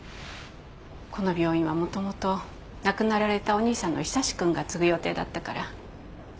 この病院はもともと亡くなられたお兄さんの久志君が継ぐ予定だったから。